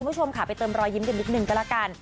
คุณผู้ชมค่ะไปเติมรอยยิ้มกันนิดนึงก็แล้วกัน